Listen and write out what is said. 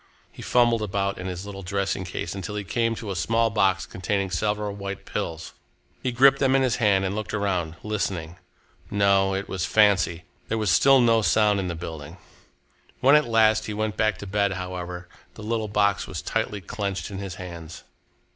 He fumbled about in his little dressing case until he came to a small box containing several white pills. He gripped them in his hand and looked around, listening. No, it was fancy! There was still no sound in the building. When at last he went back to bed, however, the little box was tightly clenched in his hands.